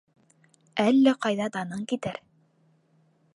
Әллә ҡайҙа даның китер.